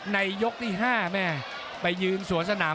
นรินทร์ธรรมีรันดร์อำนาจสายฉลาด